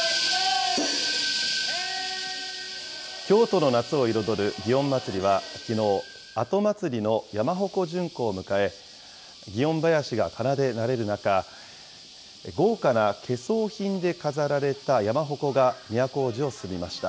京都の夏を彩る祇園祭はきのう、後祭の山鉾巡行を迎え、祇園囃子が奏でられる中、豪華な懸装品で飾られた山鉾が都大路を進みました。